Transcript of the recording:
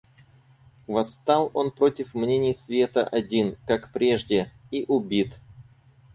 Восстал он против мнений света один, как прежде... и убит!